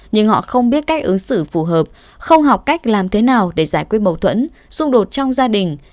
nhưng họ không biết cách ứng xử phù hợp không học cách làm thế nào để giải quyết mâu thuẫn xung đột trong gia đình